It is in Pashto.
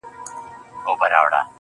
انسانیت په توره نه راځي، په ډال نه راځي.